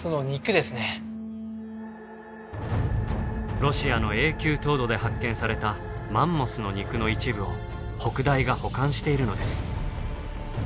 ロシアの永久凍土で発見されたマンモスの肉の一部を北大が保管しているのです。